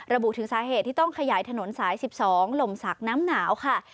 ระบุถึงสาเหตุที่ต้องขยายถนนสาย๑๒หล่มศักดิ์น้ำหนาวค่ะ